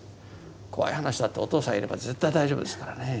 怖い話だってお父さんいれば絶対大丈夫ですからね。